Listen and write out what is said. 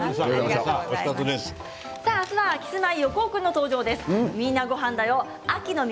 明日はキスマイ横尾君の登場です。